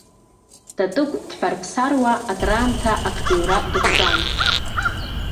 Татыгә дҳәарԥсаруа акраамҭа акҿыҩра дыкҿан.